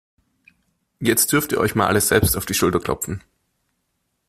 Jetzt dürft ihr euch mal alle selbst auf die Schulter klopfen.